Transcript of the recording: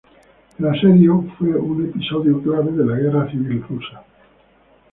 El asedio fue un episodio clave de la guerra civil rusa.